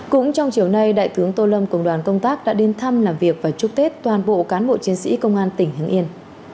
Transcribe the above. cũng trong chiều nay đại tướng tô lâm cùng đoàn công tác đã đến thăm làm việc và chúc tết toàn bộ cán bộ chiến sĩ công an tỉnh hưng yên